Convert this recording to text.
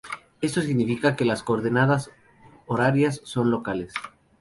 Esto significa que las coordenadas horarias son locales.